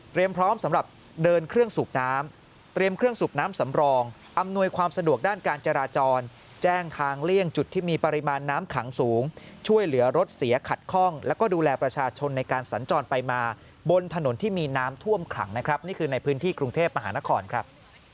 พร้อมสำหรับเดินเครื่องสูบน้ำเตรียมเครื่องสูบน้ำสำรองอำนวยความสะดวกด้านการจราจรแจ้งทางเลี่ยงจุดที่มีปริมาณน้ำขังสูงช่วยเหลือรถเสียขัดข้องแล้วก็ดูแลประชาชนในการสัญจรไปมาบนถนนที่มีน้ำท่วมขังนะครับนี่คือในพื้นที่กรุงเทพมหานครครับ